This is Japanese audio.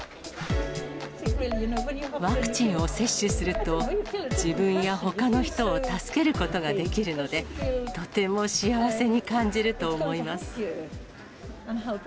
ワクチンを接種すると、自分やほかの人を助けることができるので、とても幸せに感じると思います。